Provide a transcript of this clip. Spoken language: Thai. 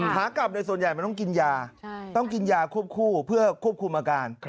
ขากลับโดยส่วนใหญ่มันต้องกินยาต้องกินยาควบคู่เพื่อควบคุมอาการ